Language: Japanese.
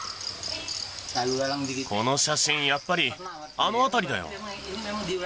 この写真、やっぱりあの辺りだよ。